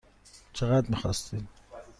چقدر میخواستید؟